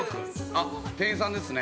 あっ、店員さんですね。